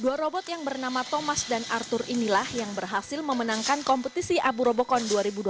dua robot yang bernama thomas dan arthur inilah yang berhasil memenangkan kompetisi abu robocon dua ribu dua puluh